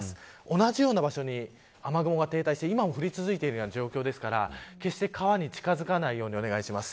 同じような場所に雨雲が停滞して今も降り続いている状況ですから決して川に近づかないようにお願いします。